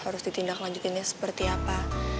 harus ditindak lanjutinnya seperti apa